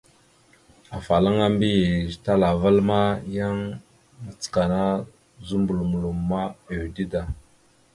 Afalaŋa mbiyez talaval ma, yan macəkana zuməɓlom loma, ʉde da.